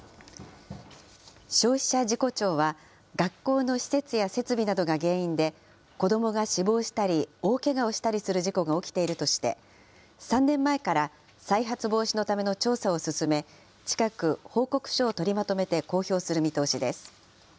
消費者事故調は学校の施設や設備などが原因で子どもが死亡したり、大けがをしたりする事故が起きているとして、３年前から再発防止のための調査を進め、近く報告書を取りまとめて公表する見通しです。